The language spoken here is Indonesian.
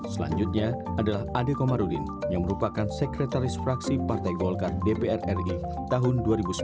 selanjutnya adalah ade komarudin yang merupakan sekretaris fraksi partai golkar dpr ri tahun dua ribu sembilan dua ribu empat belas